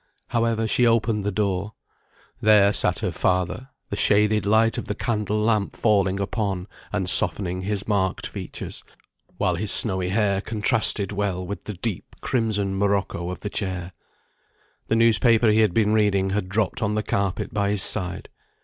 However, she opened the door. There sat her father, the shaded light of the candle lamp falling upon, and softening his marked features, while his snowy hair contrasted well with the deep crimson morocco of the chair. The newspaper he had been reading had dropped on the carpet by his side.